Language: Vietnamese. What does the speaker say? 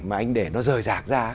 mà anh để nó rời rạc ra